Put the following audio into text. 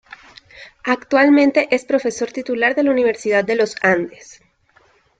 Actualmente es profesor Titular de la Universidad de los Andes.